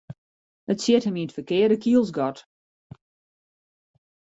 It sjit him yn it ferkearde kielsgat.